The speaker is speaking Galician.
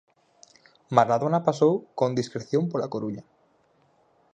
Maradona pasou con discreción pola Coruña.